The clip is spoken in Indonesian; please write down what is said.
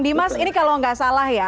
dimas ini kalau nggak salah ya